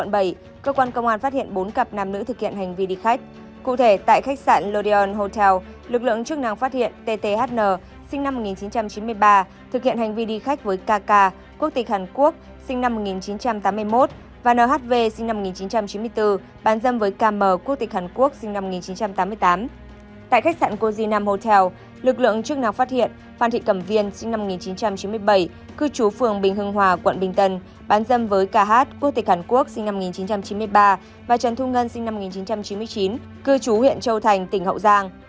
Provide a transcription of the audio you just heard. bán dâm với k h quốc tịch hàn quốc sinh năm một nghìn chín trăm chín mươi ba và trần thu ngân sinh năm một nghìn chín trăm chín mươi chín cư chú huyện châu thành tỉnh hậu giang